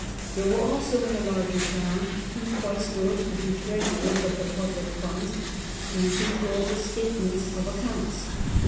There were also in the larger towns two qucBstors to be treasurers of the public funds and control the * statements of accounts.